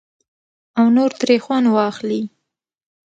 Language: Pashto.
او نور ترې خوند واخلي.